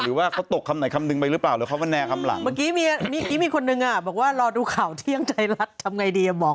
เขาบอกว่าเขาไม่ให้เขาจะเก็บไปคนเดียว